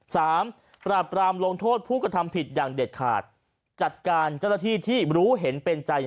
สามปราบรามลงโทษผู้กระทำผิดอย่างเด็ดขาดจัดการเจ้าหน้าที่ที่รู้เห็นเป็นใจ